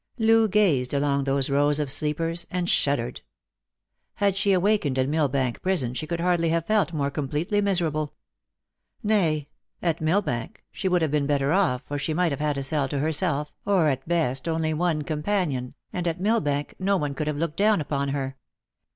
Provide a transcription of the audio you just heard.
Loo gazed along those rows of sleepers, and shuddered. Had she awakened in Millbank prison she could hardly have felt more completely miserable. Nay, at Millbank she would have Lost for Love. 179 been better off, for she might have had a cell to herself, or at best only one companion, and at Millbank no one could have looked down upon her.